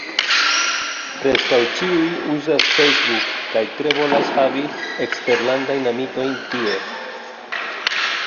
Preskaŭ ĉiuj uzas Facebook, kaj tre volas havi eksterlandajn amikojn tie.